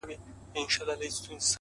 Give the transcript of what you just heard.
• سیاه پوسي ده ـ قندهار نه دی ـ